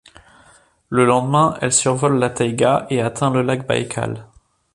Le lendemain, elle survole la taïga et atteint le lac Baïkal.